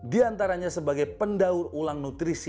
di antaranya sebagai pendaur ulang nutrisi